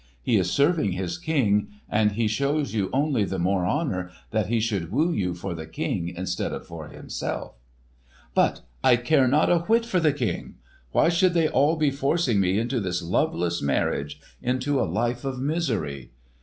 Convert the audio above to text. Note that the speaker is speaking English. He is serving his King; and he shows you only the more honour, that he should woo you for the King instead of for himself." "But I care not a whit for the King! Why should they all be forcing me into this loveless marriage—into a life of misery?"